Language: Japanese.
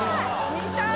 見たい。